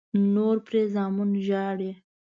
نور پرې زامن ژاړي.